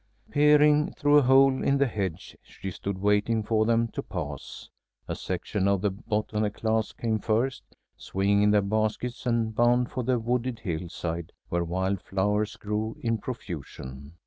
Peering through a hole in the hedge, she stood waiting for them to pass. A section of the botany class came first, swinging their baskets, and bound for a wooded hillside where wild flowers grew in profusion.